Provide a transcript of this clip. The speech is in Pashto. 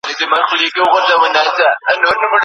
سياست په ټولنه کې د ټولو ګډ کار دی.